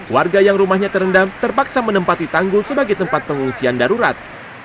warga yang rumahnya terendam terpaksa menempati tanggul sebagai tempat pengungsian darurat